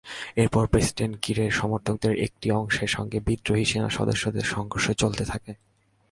এরপর প্রেসিডেন্ট কিরের সমর্থকদের একটি অংশের সঙ্গে বিদ্রোহী সেনাসদস্যদের সংঘর্ষ চলতে থাকে।